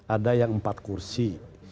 ada yang empat kursi